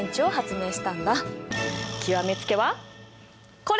極め付けはこれ！